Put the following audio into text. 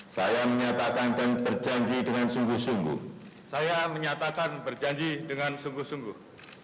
saya menyatakan dan berjanji dengan sungguh sungguh